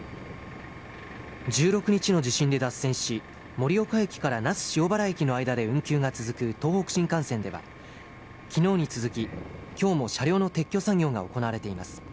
１６日の地震で脱線し、盛岡駅から那須塩原駅の間で運休が続く東北新幹線では、きのうに続き、きょうも車両の撤去作業が行われています。